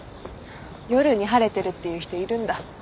夜に「晴れてる」って言う人いるんだ。